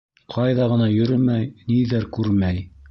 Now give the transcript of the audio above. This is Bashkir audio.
Ҡайҙа ғына йөрөмәй, ниҙәр күрмәй